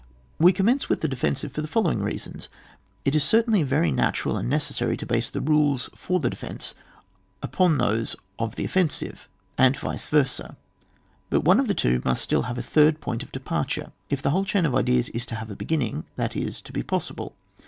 We commence with the defensive for the following rea sons :— ^It is certfdnly very natural and necessary to base the rules for the defence upon those of the offensive, and vice versd ; but one of the two must still have a third point of departure, if the whole chain oi ideas is to have a beginning, that is, to be possible.